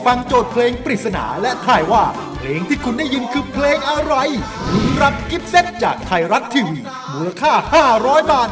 บ่จบบ่หายได้เหินห่างคือเป็นร้ายต่างแทนอ้อ